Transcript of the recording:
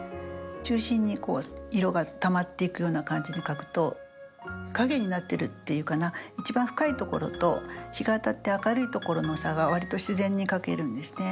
中心に色がたまっていくような感じで描くと影になってるっていうかな一番深いところと日が当たって明るいところの差がわりと自然に描けるんですね。